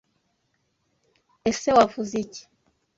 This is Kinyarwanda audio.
Ese Wavuze iki?